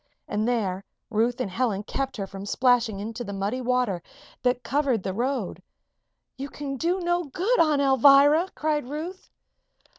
And there Ruth and Helen kept her from splashing into the muddy water that covered the road. "You can do no good, Aunt Alvirah!" cried Ruth.